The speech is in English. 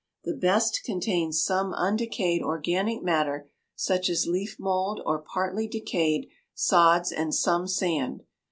The best contains some undecayed organic matter such as leaf mold or partly decayed sods and some sand.